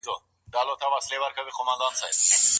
پخوا به يې هره ورځ خپل عبادتونه ترسره کول.